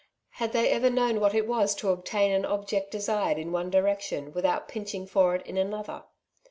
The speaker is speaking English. Had they ever known what it was to obtain an object desired in one direc tion without pinching for it in another